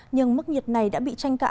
nhưng mức nhiệt này đã bị tranh cãi